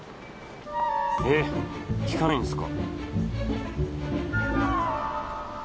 えっ聞かないんですか？